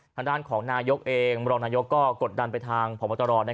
ทางด้านของนายกเองมรนายกกดดันไปทางผอมตรรอน